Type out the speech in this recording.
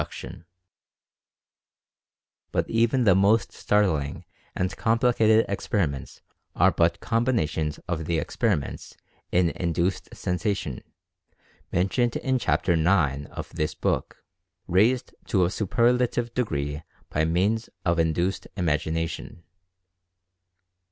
Inquiry into Certain Phenomena 145 But even the most startling and complicated ex periments are but combinations of the experiments in "Induced Sensation" mentioned in Chapter IX of this book, raised to a superlative degree by means of "Induced Imagination."